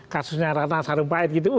kasusnya ratna sarumpait gitu